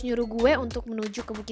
terima kasih pak